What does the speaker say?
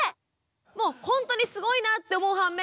もうほんとにすごいなって思う反面